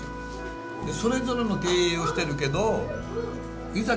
それぞれの経営をしてるけどいざ